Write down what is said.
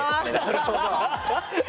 なるほどね。